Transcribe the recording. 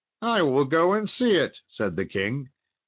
"I will go and see it," said the king.